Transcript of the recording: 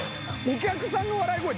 お客さんの笑い声